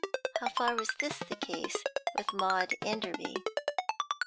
How far was this the case with Maud Enderby?